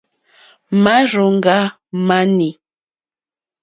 Màrzòŋɡá má nǐ.